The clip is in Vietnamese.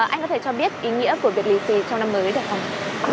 anh có thể cho biết ý nghĩa của việc lì xì trong năm mới được không ạ